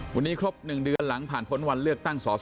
วันนี้ครบ๑เดือนหลังผ่านพ้นวันเลือกตั้งสอสอ